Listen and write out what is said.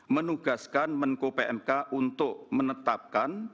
menugaskan menko pmk untuk menetapkan